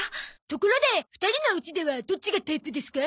ところで２人のうちではどっちがタイプですか？